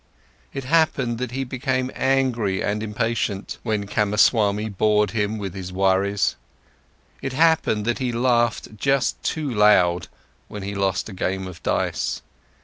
It happened that he became angry and impatient, when Kamaswami bored him with his worries. It happened that he laughed just too loud when he lost a game of dice.